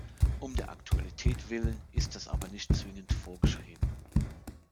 Um der Aktualität Willen ist das aber nicht zwingend vorgeschrieben.